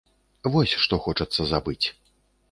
Вось што хочацца забыць.